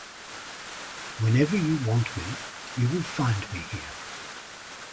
Whenever you want me, you will find me here.